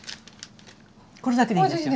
これだけでいいんですよ。